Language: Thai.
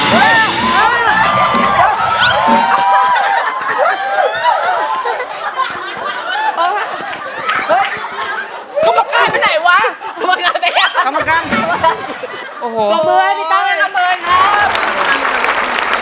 มีตั้งค่ะคำเมินครับ